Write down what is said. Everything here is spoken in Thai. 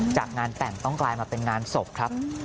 จากงานแต่งต้องกลายมาเป็นงานศพครับ